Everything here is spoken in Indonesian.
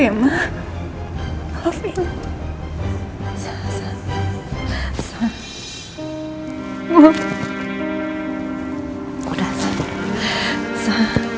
dengan di persona